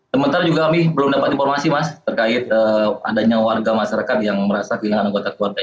sementara juga kami belum dapat informasi mas terkait adanya warga masyarakat yang merasa kehilangan anggota keluarga